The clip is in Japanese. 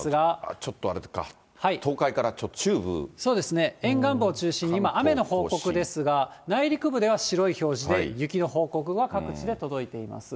ちょっとあれか、そうですね、沿岸部を中心に今、雨の報告ですが、内陸部では白い表示で雪の報告が各地届いています。